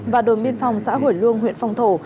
và đồn biên phòng xã hủy luông huyện phong thổ